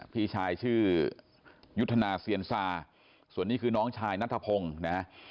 พี่ชายชื่อยุทธนาเซียนซาส่วนนี้คือน้องชายนัทพงศ์นะฮะ